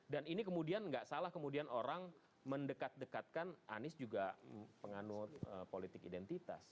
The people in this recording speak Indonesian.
dan ini kemudian tidak salah kemudian orang mendekat dekatkan anies juga penganur politik identitas